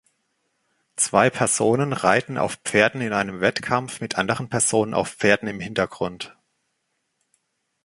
Zwei Personen reiten auf Pferden in einem Wettkampf mit anderen Personen auf Pferden im Hintergrund.